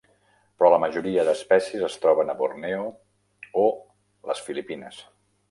Però la majoria d'espècies es troben a Borneo o les Filipines.